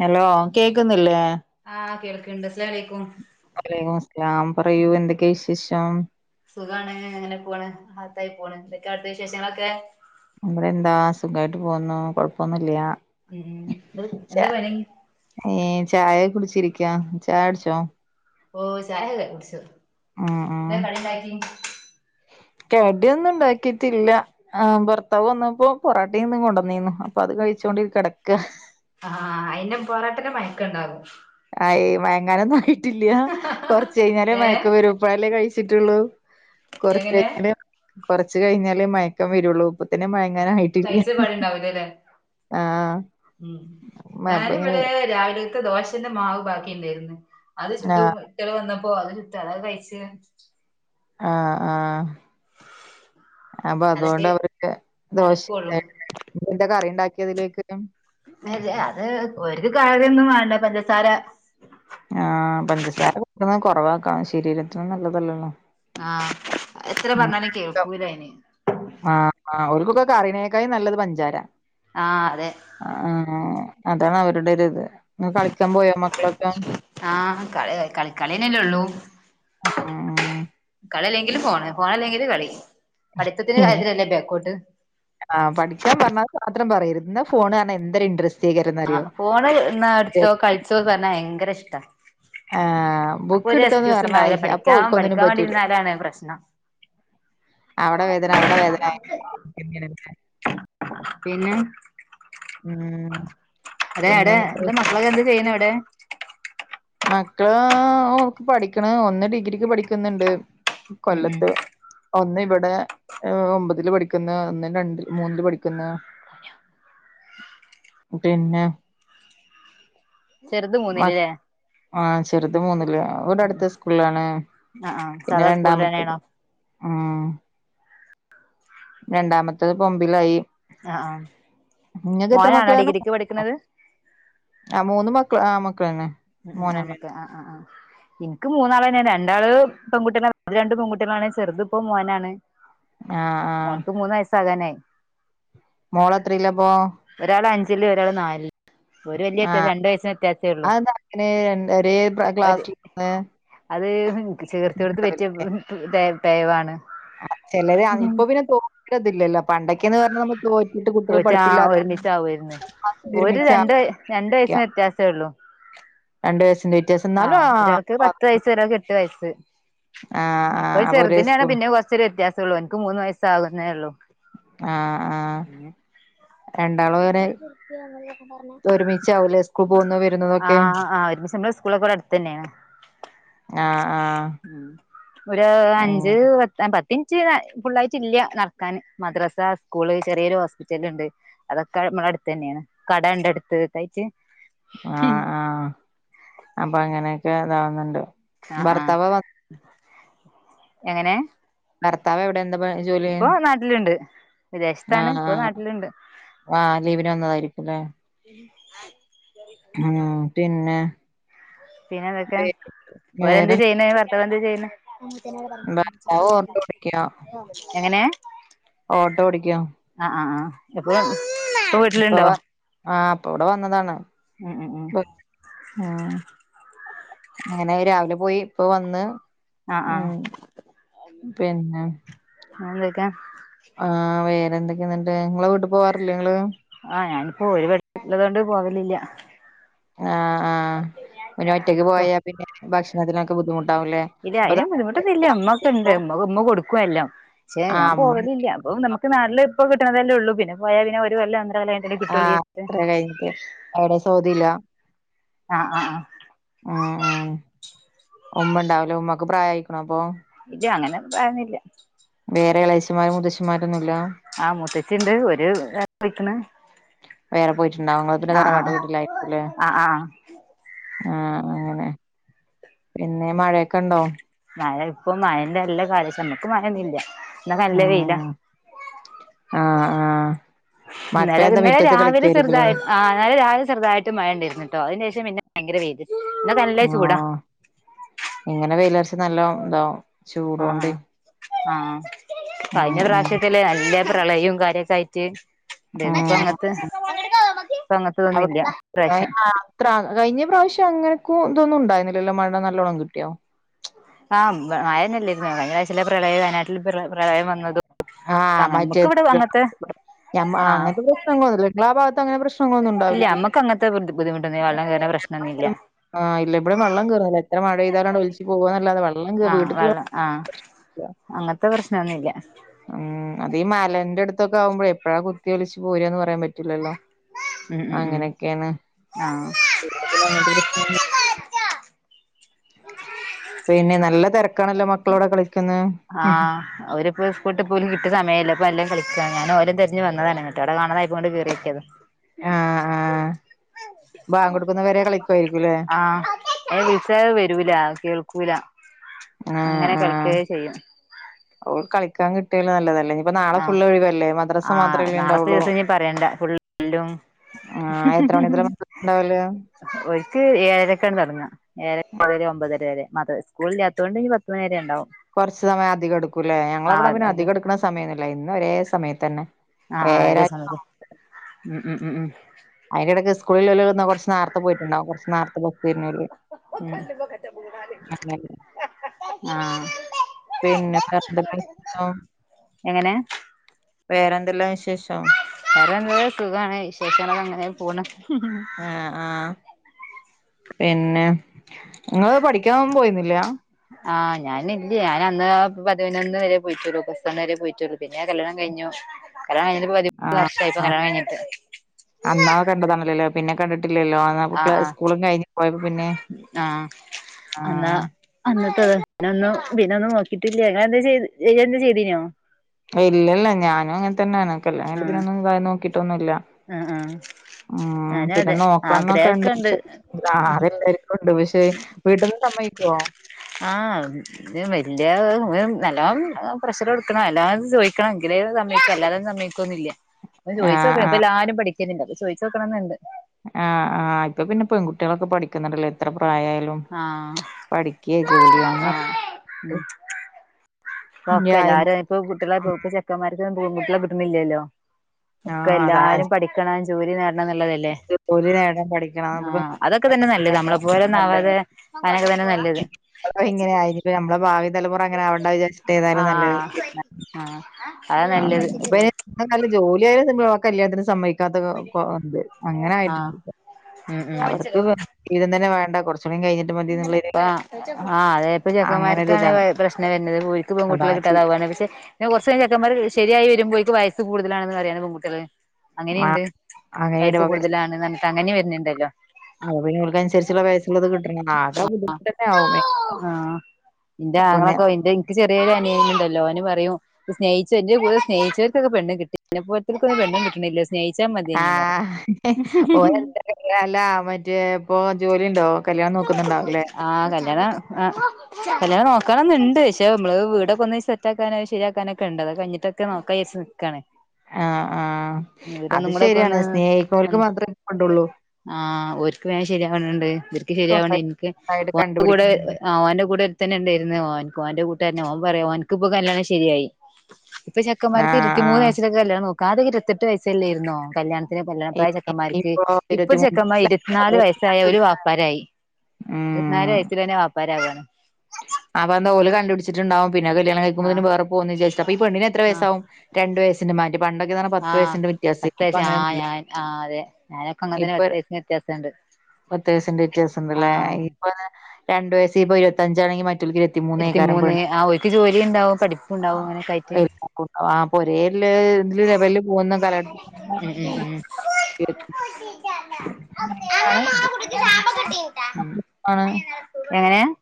Hello കേക്കുന്നില്ലേ? ആഹ് കേൾക്ക്ണ്ട് അസ്സലാമലൈക്കും വലൈക്കു മുസ്ലാം പറയൂ എന്തൊക്കെയാ വിശേഷം? സുഖാണ് അങ്ങനെ പോണ് ആത്തായി പോണ് എന്തൊക്കെയാ അവിടുത്തെ വിശേഷങ്ങളൊക്കെ? ഇവട എന്താ സുഖായിട്ട് പോന്നു കൊഴപ്പൊന്നുല്ല്യ ഉം എന്ത് ചേ എന്താ പണി ഏഹ് ചായ കുടിച്ചിരിക്കാ ചായ കുടിച്ചോ ഓഹ് ചായ കുടിച്ചു ഉം ഉം എന്താ കടിണ്ടാക്കി കടിയൊന്നും ഇണ്ടാക്കിട്ടില്ല ആഹ് ഭർത്താവ് വന്നപ്പോ പൊറാട്ടിം തും കൊണ്ടന്നീന്നു അപ്പ പ അത് കഴിച്ചോണ്ട് കെടക്ക അഹ് ആഹ് അയിന് പൊറോട്ടക് മയക്കണ്ടാവു അയേ മയങ്ങാനൊന്നും ആയിട്ടില്ല്യാ കൊറച്ച്ഴിഞ്ഞാലേ ഏഹ് മയക്കം വരൂ ഇപ്പഴല്ലേ കഴിച്ചിട്ടുള്ളൂ എങ്ങനെ കൊറച്ചഴിഞ്ഞാല് കൊറച്ച് കഴിഞ്ഞാലേ മയക്കം വരുള്ളൂ പിന്നെ മയങ്ങാനായിട്ടില്ല്യാ കഴിച്ച പാട് ഇണ്ടാവൂലല്ലേ ഉം മ- അപ്പൊ ഇങ്ങനെ ഞാനിവിടെ രാവിലത്തെ ദോശേന്റെ മാവ് ബാ ക്കിണ്ടേരുന്ന് അത് ആ ചുട്ടും ട്ട്യള് വന്നപ്പോ അത് ചുട്ട് അത് കഴിച്ച് ആ ആ അപ്പ അതൊക്കെ അതോണ്ട് അവർക്ക് ദോശ നടക്കുള്ളൂ ഇണ്ടാരുന്ന് [unintelligible] കറി ഇണ്ടാക്കി ക്കിതിലേക്കില്ലം അതെ അത് ഒര് കറിയൊന്നും വേണ്ട പഞ്ചസാര ആ പഞ്ചസാര കൊടുക്കണ കൊറവാക്കണം ശരീരത്തിന് നല്ലതല്ലല്ലോ ആ എത്ര ഉം പറഞ്ഞാലും കേൾക്കൂലയിന് ആ ആ ഓരുക്കൊക്ക കറീനേക്കായും നല്ലത് പഞ്ചാര ആഹ് അതെ ആ അതാണ് അവരുടെ ഒരിത് ആ കളിക്കാൻ പോയാ മക്കളൊക്ക? ആഹ് കളി കളി കളിയന്നെല്ലേ ഉള്ളൂ അ ആ ഇല്ല ഫോണ് ഫോണല്ലെങ്കില് കളി പഠിത്തത്തിന്റെ കാര്യത്തിലല്ലേ ബേക്കോട്ട് ആ പഠിക്കാൻ പറഞ്ഞാ അത് മാത്രം പറയരു എന്നാ ഫോണ് കാണാൻ എന്തൊരു ഇൻട്രസ് ആ ഫോണ് ഇന്നാ എടുത്തോ കളിച്ചോന്ന് പറഞ്ഞാ ഭയങ്കര ഇഷ്ടാ ആ അപ്പൊ ബുക്ക് ഒരു ഇടുത്തോന്ന് എക്സ്ക്യൂസ് പറഞ്ഞായി ഉണ്ടാവില്ല അപ്പൊ പഠിക്കാൻ ഓല്ക് ഒന്നിനും പഠിക്കാൻ പറ്റൂല വേണ്ടിയിരുന്നാലാണ് പ്രശ്നം അവിടെ വേദന അവിടെ വേദന ഇങ്ങനന്നെ പിന്നെ ഉം എടെ പിന്നെ എടെ എന്നിട്ട് ന്റ മക്കളൊക്കെ എന്ത് ചെയ്യുന്നു എവിടെ? മക്കള് ഓക്ക് പഠിക്കണ് ഒന്ന് ഡിഗ്രിക്ക് പഠിക്കുന്നണ്ട് ഉം ഉം കൊല്ലത്ത് ഒന്ന് ഇവിടെ ഒ ഒമ്പതില് പഠി ക്കുന്ന ഒന്ന് രണ്ട് മൂന്നില് പഠിക്കുന്ന് പിന്ന ചെറുത് മൂന്നില്ലല്ലേ ആ ചെറുത് മൂന്നില് ഇവടെ അടുത്ത സ്കൂളാണ് ആഹ് ആഹ് പിന്നെ സാധാ സ്കൂളിൽ രണ്ടാമത്തേത് തന്നെയാണോ ആ രണ്ടാമത്തതിപ്പൊമ്പയ്ലായി ആ ആ നിങ്ങക്ക് എത്ര മക്കളാണ് മൂന്നോ ആ മൂന്ന് മക്കള് ആ മക്കളന്നെ ഉം ഉം മോനന്നെ ആമക്കെ ആ ആ ആ എനിക്ക് മൂന്നാളന്നെയ രണ്ടാള് പെൺകുട്ടികളാണ് രണ്ട് പെൺകുട്ടികളാണ് ചെറുത് ഇപ്പോ മോനാണ് ആ ആ സകനെ മോളത്രയിലാപ്പോ [unintelligible] ഒരാൾ നാലില് ഒരു വലിയ ആ വത്യാസം രണ്ടു വയസിന് വ്യത്യാസൊള്ളു അതെന്താ അങ്ങനെ ന്റൊരേ പ്ര ക്ലാസീന്ന് അത് ചേർത്തിയ കൊടുത്ത് പറ്റിയ തെ തേവാണ് അത് ചെലര് അങ് ഇപ്പൊ പിന്നെ [unintelligible] പണ്ടൊക്കെന്ന് പറഞ്ഞ നമുക്ക് തോറ്റിട്ട് കുട്ടികൾ പഠിപ്പില്ലാ ഒരു രണ്ട് രണ്ട് വയസിന് വ്യത്യാസേ ഒള്ളു രണ്ടു വയസിന്റെ വ ആഹ് ഒരാൾക്ക് പത്ത് വയസ്സ് ഒരാക്ക് എട്ട് വയസ്സ് ആ ആ ഇപ്പൊ അപ്പൊ ഒരേ ചെറുതനെയാണ് സ്കൂൾ പിന്നെ കൊറച്ചൊരു വ്യത്യാസം ഉള്ളു എനക്ക് മൂന്ന് വയാസാകുന്നേ ഉള്ളൂ ആ ആ പിന്നെ രണ്ടാളും വരെ ഒരുമിച്ചാവൂലേ സ്കൂൾ പോകുന്ന വരുന്നതൊക്കെ സ്കൂളക്കിവിടെ അടുത്ത് തന്നെയ ആ ആ ഒര് അഞ്ച് അങ്ങനെ പത് പത്തി ൻറ്റ് ഫുള്ളായിട്ടില്ല്യ നടക്കാൻ മദ്രാസ സ്കൂള് ചെറിയൊരു ഹോസ്പിറ്റലിണ്ട് അതൊക്കെ നമ്മടടുത്ത് തന്നെയാണ് കടെണ്ട് അടുത്ത്തായിട്ട് ആ ആ അപ്പ അങ്ങനെക്കെ ഇതാവുന്നെണ്ട് ആഹ് ആഹ് ബർത്തവാ വ എങ്ങനെ ഭർത്താവ് എന്താ പ ജോലി ഇപ്പോൊ നാട്ടിലുണ്ട് ആ വിദേശത്താണ് ഇപ്പൊ ആ നാട്ടിലുണ്ട് ആ ഉ ലീവിന് ആ പിന്നെ പിന്നെ അതൊക്കെ വേ ഓല് വേറെ ന്ത്ചെയ്യണ് ഭത്തവന്ന്ത് ചെയ്യണ് ഭർത്താവ് ഓട്ടോ ഓടിക്കോ എങ്ങനെയ ഓട്ടോ ഓടിക്ക എപ്പോ ഇപ്പൊ ആഹ അപ്പൊ ഇവിടെ വന്നതാണ് ഉം ഉം ഉം അങ്ങനെ രാവിലെ പോയി ഇപ്പൊ വന്ന് ആഹ് ഉ ആഹ് പിന്നെ എന്തൊക്കെ ആ വേറെന്തൊക്കെയന്നണ്ട് നിങ്ങള ആഹ ഞാനിപ്പോ ഒരു ള്ളതൊണ്ട് പോകലില്ല ആഹ ആഹ പിന്നെ ഒറ്റക്ക് പോയാ പിന്നെ ഭക്ഷണത്തിനൊക്കെ ബുദ്ധിമുട്ടാാവുംല്ലേ അപ്പൊ മ്മമ്മ കൊടുക്ക ല്ല പക്ഷേ ആ ഞാൻ അമ്മ പോവലല്ല അപ്പൊ നമുക്ക് നാളില് ഇപ്പ കിട്ടുന്നതല്ലേ ഉള്ളൂ പിന്നെ പോയാ പിന്നെ വല്ല അന്ല്ല എ ആ കിട്ടളി അത്ര കഴിഞ്ഞിട്ട് എവിടെ സൗദിയിലാ ആഹ് ആഹ് ഉം ആഹ് ഉം ഉമ്മണ്ടാവൂല ഉമ്മാക്ക് പ്രായയ്ക്ക്ണൊപ്പോ ഇജ് അങ്ങനെ പ്രായൊന്നില്ല വേറെളേച്ചമാരൊ മൂത്തച്ച ആഹ് മുത്തച്ചിണ്ട് ഒരു [unintelligible] ണ്ടാവും ങള് പിന്നെ തറവാട്ട് വീട്ടിലായിരിക്കുംലെ ആഹ് ആഹ് ആഹ് ആഹ് അങ്ങനെ പിന്നെ മഴയൊക്കെ ഇണ്ടോ മഴ ഇപ്പൊ മഴന്റെ നല്ല കാലസ്ഥണ്ട് ഇക്ക് മഴൊന്നുംല്ല ന്നാ നല്ല വെയില ആഹ് ആഹ് ഇന്നലൊരു ഇന്നലെ രാവിലെ ചെറ്തായി ആഹ് ഇന്നലെ രാവിലെ ചെറുതായിട്ട് മഴണ്ടെര്ന്നു ട്ടൊ അതിന് ശേഷം പിന്നെ ഭയങ്കര വെയില് ഇന്നൊക്കെ നല്ല ചൂടാ ആഹ് ഇങ്ങനെ വെയിലര്ച്ച നല്ലോം താവും ആഹ് ചൂടോണ്ടെ ആഹ് ആഹ് കഴിഞ്ഞ പ്രാവിശ്യത്തിലെ നല്ല പ്രളയും കാര്യൊക്കായിട്ട് നിപ്പൊ അങ്ങൻത്തെ അവ്ടെ ആഹ് അത്ര കഴിഞ്ഞ പ്രാവശ്യം അങ്ങനെ ഇതൊന്നും ഇണ്ടായ്ന്നിലലൊ മഴ നല്ലോണം കിട്ടിയൊ ആഹ് ഇബ മഴന്നെല്ലാര്ന്നൊ ഭയങ്കരാഴ്റ്റ്ള്ള പ്രളയം വയനാട്ടില് പ്രളയം വന്നതും ആഹ് മറ്റേ ഞമ്മക്കിവ്ടെ വങ്ങത്തെ ഞമ്മ ആ ആഹ് അങ്ങനത്തെ പ്രശ്നങ്ങളൊന്നുമില്ല നിങ്ങളാ ഭാഗത്ത് അങ്ങനെ പ്രശ്നങ്ങളൊന്നും ഇല്ല ഉണ്ടാവില്ലല്ലോ അമ്മക്ക് അങ്ങൻത്തെ ബുദ്ധിമുട്ടൊന്നില്ല വള്ളം കേ പ്രശ്നൊന്നില്ല ആഹ് ഇല്ല ഇവ്ടെ വള്ളം കേറുല്ല എത്ര മഴെ ആഹ് വെള്ളം ആഹ് കേറൂല. അങ്ങൻത്തെ പ്രശ്നൊന്നില്ല ഉം അത് ഈ മലന്റടുത്തൊക്കാവുമ്പഴെ എപ്പഴാ കുത്തിയൊലിച്ച് പോരാന്ന് പറയാൻ പറ്റു ഇല്ലല്ലൊ ഉം ഉം ഉം അങ്ങനൊക്കാണ് ആഹ് പിന്നെ നല്ല തിരക്കാണല്ലൊ മക്കളവ്ടെ കളി ആഹ് അവര്പ്പൊ സ്കൂൾട്ട് പോലും കിട്ടിയ സമയല്ലെപ്പ നല്ലം കളി ഞാന് ഓലെ തിരഞ് വന്നതാണ്ങ്ങ്ട്ട് അവ്ടെ കാണതായപ്പൊ ഇങ്ട്ട് കേറിയോക്ക്യതാ ആഹ് ആഹ് ബാങ്കൊടുക്കുന്നവരെ കളിക്കുവായിരിക്കുംല്ലേ ആഹ് വിളിച്ച വരൂല കേൾ ക്കൂല അങ്ങനെ കളിക്കേ ചെയ്യും ഓൾ കളിക്കാൻ കിട്ടിയാലും നല്ലതല്ലെ ഇപ്പൊ നാളെ ആഹ് ഫുള്ള് ഒഴിവല്ലെ മദ്രസ ആഹ് മാത്രല്ലെ നാളത്തെ ഇണ്ടാവൊള്ളു ദിവസം ഇനി പറയണ്ട ഫുൾ എല്ലും ആഹ് എത്ര മണിമുതലാ മദ്രസ് ണ്ടാവല് ഓല്ക്ക് ഏഴരക്കാണ് തൊടങ്ങാ ഏഴര മുതല് ഒമ്പതര വരെ മത് സ്കൂളില്ലാത്തോണ്ട് ഇനി പത്ത് മണി വരെ ഇണ്ടാവും കൊർച്ച് സമയം അധികം എടുക്കുംലെ ഞങ്ങളിവ്ടെ ആഹ് പിന്നെ അത് അധികം എട്ക്ക്ണ സമയൊന്നുല്ല എന്നും ഒരേ സമയത്തന്നെ ആഹ് ആഹ് ഏഴര ഒരേ സമയത്ത് ഉം ഉം ഉം ഉം അയിനിടക്ക് സ്കൂളിലൊല് കൊർച്ച് നേറ്ത്തെ പോയിട്ട്ണ്ടാവും കൊറച്ച് നേറ്ത്തെ പോവും തിര്ന്നാര് അല്ല അല്ല ആഹ് പിന്നപ്പൊന്തെല്ല [unintelligible] എങ്ങനെ വേറെന്തെല്ലാ വിശേഷം വേറെന്ത്‌ സുഖാണ് വിശേഷങ്ങളങ്ങനെ പോണ് ആഹ് ആഹ് പിന്നെ ഇങ്ങള് പഠിക്കാനൊന്നും പോയിന്നില്ല ആഹ് ഞാനില്ല ഞാൻ അന്ന് പതിനൊന്ന് വരെ പോയിറ്റൊള്ളു പ്ലസ് വണ്ണ് വരെ പോയിറ്റൊള്ളൂ പിന്നെ കല്ല്യാണം കഴിഞ്ഞു കല്ലാണം കഴിഞ്ഞിട്ട് പതിനൊന്ന് ആഹ് വർഷായിപ്പൊ ആ കല്ല്യാണം കഴിഞ്ഞിട്ട് അന്നാ കണ്ടതാണല്ലല്ലോ. പിന്നെ കണ്ടിട്ടില്ലല്ലോ. അന്നാ ആഹ് ക്ലാ ആഹ് സ്കൂളും കഴിഞ്ഞ് പോയപ്പോ പിന്നെ ആഹ് അന്നാ ആഹ്. അന്നത്തത് പിന്നൊന്നും നോ കിട്ടില്ല ങ്ങളെന്തെ ചെയ്ത് ഇങളെന്തെ ചെയ്തിനോ ഇല്ലല്ല ഞാനും അങ്ങനെ തന്നെയാണ് കല്ണം കണ്ടി പിന്നൊന്നുംത നോക്കിട്ടൊന്നും ഇല്ല ആ ആ ആ പിന്നെ നോക്കണംന്നൊക്കെ ഉണ്ട് പക്ഷേ എല്ലര്ക്കുംണ്ട് പക്ഷേ വീട്ടന്ന് സമ്മയ്ക്കോ ആഹ് ഉം വല്ല്യ നല്ലോം പ്രഷർ എടുക്കണം അല്ലാ ചോദിക്കണെങ്കി തേ സമ്മയ്ക്ക അല്ലാതൊന്നും സമ്മയ്ക്കൊന്നില്ല്യ ആ ആഹ് ചോയ്ചോക്കണം ഇപ്പൊ എല്ലാരും പഠിക്കുന്നുണ്ട് അപ്പ ചോയ്ച്ചോക്കണം എന്നുണ്ട് ആ ആ്ഇപ്പൊ പിന്നെ പെൺകുട്ടികളൊക്കെ പഠിക്കുന്നുണ്ടല്ലോ എത്ര പ്രയായാലും ആഹ് പഠിക്കെ ജോലി വാങ്ങെ ആഹ് ട്ട് പ്പഒക്കെ എല്ലാരും ഇപ്പ കുട്ടികളെ ചെക്കന്മാർക്ക് പെൺ കുട്ടികളെ കിട്ട്ണില്ലല്ലോ.? ഒക്കെ അതാ എല്ലാരും പഠിക്കണം ജോലി നേ ടണംന്ന്ള്ളതല്ലേ ജോലി നേടാൻ പഠിക്കണം ആ അപ്പൊ അതൊക്കെ തന്നെ നല്ലത് നമ്മള പോല ഒന്നും ആവാതെ. അതൊക്കെ തന്നെ നല്ലത് ഇപ്പളാ ഇങ്ങനെയായി ഇനി ഇപ്പ നമ്മളെ ഭാവി തലമുറ അങ്ങനെ ആവണ്ട വിചാരി ഏതാലും നല്ലത് ആഹ് പിന്നെ. ആഹ് അതാ ആ നല്ലത് ഇപ്പയെന്ന് പറഞ്ഞാൽ ജോലിയായാൽ കല്ല്യാണത്തിന് സമ്മയ് ക്കാത്ത കോ ത് അങ്ങനെ ആഹ് ആയിട്ടുണ്ട് ഉം അവർക്ക് ഇതം തന്നെ വേണ്ട കൊർച്ച്. ആ ആ അതേപ്പ ചെക്കന്മാർക്കാണ് അങ്ങനൊരിതാണ്. പ്രശ്നം വരുന്നത് ഓൽക്ക് പെൺകുട്ടികളെ അതാണ് ചി കിട്ടാതാവാണ്. പക്ഷെ ഇനി കൊർച്ച് കഴിഞ്ഞ് ചെക്കന്മാർ ശരിയായി വരുമ്പോഴേക്ക് വയസ്സ്‌ കൂടുതലാണെന്ന് പറയാണ് പെൺകുട്ടികള്. ആഹ് അങ്ങനെയുണ്ട് അങ്ങനെ വയസ്സ് കൂടുതലാണന്ന് അങ്ങനെ വരുന്നുണ്ടല്ലോ? അത്പോലെ ഓൽക്ക് അനുസരിച്ചുള്ള വയസുള്ളത് കിട്ടണം ആകെ ബുദ്ധിമുട്ട് തന്നെ ആവും. ആഹ് ഇന്റെ ആങ്ങളൊക്കെവലുതാ എനിക്ക് ചെറിയൊരു അനിയൻ ഉണ്ട്. ഓന് പറയും സ്നേഹിച്ച് എന്റെ കൂടെ സ്നേിഹിച്ച വർക്കൊക്കെ പെണ്ണ് കിട്ടി ഇന്നെപ്പോലത്തോൽക്കൊന്നും പെണ്ണ് കിട്ടണില്ല. സ്നേഹിച്ചാ ആ മതിയേനിന്ന് പറയും ഓ [unintelligible] അല്ലാ അല്ലാ മറ്റേ ഇപ്പോ ജോലിണ്ടോ കല്യാണം നോക്ക ആ കല്ല്യാണം ആ കല്ല്യാണം നോക്ക നോകണന്നുണ്ട് പക്ഷെ നമ്മള് വീടൊക്കെ ഒന്ന് സെറ്റാക്കാനോ ശരിയാക്കാനൊക്കെ ഉണ്ട് അത കഴിഞ്ഞിട്ട് ട്ടൊക്കെ നോക്കാർച്ച്നിക്കാണ്. ആ ആ അത് ഒക്കെ ശരിയാണ് ഒന്ന് സ്നേഹിക്കുന്നോൽക് മാത്രേ [unintelligible] കിട്ടുള്ളു ആഹ് ഒരിക്ക് വേ ശരിയാവണണ്ട് ഇവര്ക്ക് ശരിയാവണ് സ്വന്തായിട്ട് ഇൻക്ക് ഓന്റെ കൂടെ കണ്ടുപിടിക്കണെങ്കില്. ആ ഓന്റെ കൂടെ ഒരുത്തൻ ഉണ്ടെയ്ര്ന്ന് ഒന്റെ കൂട്ട് ഓൻ പറയാ ഓൻക്കിപ്പോ കല്ല്യാണം ശരിയായി ഇപ്പ ചെക്കന്മാർക്ക് ആഹ് ഇരുപത്തി മൂന്ന് ആഹ്. വയസ്സിലൊക്കെല്യാണം നോക്ക ക്കാത്യൊക്കെ ഇരത്തെട്ട് വയസ്സല്ലോയിരുന്നോ കല്യാണം. ല്യാ പ്രായ ചെക്കന്മാർക്ക് ഇനിയിപ്പോ ഇപ്പൊ ഇരുപത്തിമൂന്ന് ചെക്കന്മാർ ഇരുപത്തിനാല് വയസ്സായ ഒരു വാപ്പാരായി ഇരുപത്തിനാല് ഉം വയസ്സിൽ തന്നെ വാപ്പരകാണ്. അപ്പൊ എന്താ ഓൽ കണ്ടുപടിച്ചിട്ടുണ്ടാവും. പിന്നെല്യാണം കഴിക്ക്പോന്ന ആഹ് വേറെ പോന്ന് വിചരിചിട്ടാ അപ്പോ ഈ പെണ്ണിന്ന് എത്ര ആഹ് വയസകും രണ്ട് വയസിന്റെ മാറ്റം. പണ്ടൊക്കൊണ് പത്തു ആഹ് വയസിന്റെ വ്യത്യാസ പത്ത് ഇപ്പൊ വയസ്സ് ആഹ് അങ്ങനെൊന്നുമില്ല ഞാൻ ആഹ് അതെ ഞാനൊക്കെ അങ്ങൻതന്നെ ഇപ്പൊ പത്ത് വയസ്സിന് വ്യത്യാസണ്ട് പത്ത വയസിന്റെ വിത്യാസം ഉണ്ടല്ലേ ആഹ് ഇപ്പൊ രണ്ടു വയസ ഇപ്പോൊ ഇരുപത്തഞ്ചാണെങ്കിൽ മ ഇരത്തിമൂന്ന്ഏക്കാരം ഇരുപത്തിമൂന്ന് പെണ്ണ്ങ്ങളെ ആ ഓൽക്ക് ജോലി ഉണ്ടാവും ആ പഠിപ്പുണ്ടാവും അങ്ങനെയൊക്കെ ആയിട്ട് ആം. എ രവല് പോകുന്ന കലഘത്തി ഉം ഉം ഉം [unintelligible] മം ആണ് യൊ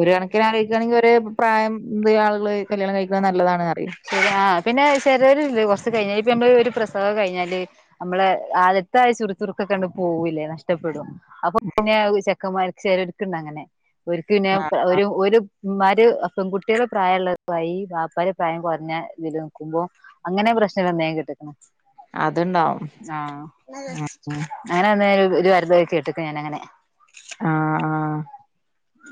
ഒരു കണക്കിന് അലോയികാണെങ്കിൽ ഒരു പ്രായം എന്ത് ആളുകള് കല്യാണം കഴിക്കുന്നത് നല്ലതാണ്. പറയും ആ പിന്നെ ചെലർ ഇല്ലേ കുറച്ച് കഴിഞ്ഞാൽ ഇപ്പ നമ്മള് ഒരുപ്രശ്ന [unintelligible] കഴിഞ്ഞാല് നമ്മളെ ആദ്യത്ത ആ ചുറ ചുറുക്കെ കണ്ടു പോകൂല്ലേ നഷ്ടപ്പെടും. അപ്പൊ പിന്നെ ചെക്കന്മാരക്ക് ചേലോർക്ണ്ട് അങ്ങനെ ഒരിക്ക പിന്നെ ആഹ് ഒരു ഒരു. ഉമാര് പൺകുട്ടികൾ പ്രായം ഉള്ളതുായി ബാപ്പാർ പ്രായം കുറ പിന്നെ ഇതില് നക്കുമ്പോ അങ്ങനെ പ്രശ്നംവരുന്നത് ഞാൻകേട്ട്ക്ക്ണ്. അതുണ്ടാവും ആഹ ഉം ഉം അങ്ങന അന്നേ. ഒരു വരുതൊക്കെ കേട്ടക്ക്ണ് ഞാാന അങ്ങനെ. ആഹ ആഹ.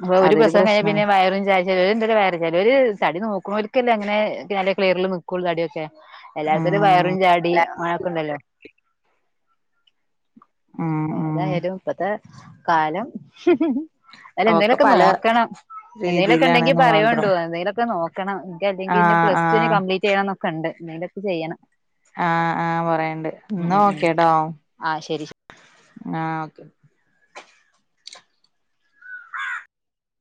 അപ്പൊ ഒരു പ്രസവം കഴിഞ്ഞാൽ പിന്നെവയറും ച ചിലവര് എന്ത വേറെ ചിലവര് തടി നോക്കണോലക്കല്ലേ അങ്ങനെ നല്ല ക്ലിയറിൽ നിൽക്കുള്ളൂ തടിയൊക്കെ എല്ലാർക്കുംും ഉം വയറും ല്ല. ചാടിയും അങ്ങനെയൊക്കെ ഉണ്ടല്ലോ ഉം ഉം ഏതാലപ്പത്തെ കാലം അല്ല ഒക്കെ എന്തേങ്കലുമൊക്കെ പല നോക്കണം എന്തേലുംക്കെ ഉണ്ടെങ്കിൽ രീതിയിലാണ്ന്ന് മാത്രം പറയുണ്ടോ എന്തങ്കുംൊക്ക നോണം അെങ്ക ആഹ് പ്ലസ് ടുവിന് ആഹ് കംപലീറ്റ് ചെയ്യണം കണ്ട് നിീന്തൊക്കെ ചെയ്യണം ആഹ ആഹ പറയണ്ട് എന്നന്ന് ഉം ഉം ഉം നോക്കെട്ടോ ആഹ് ശരി ശരി ആഹ ഓെ